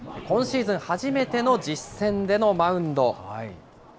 今シーズン初めての実戦でのマウンド。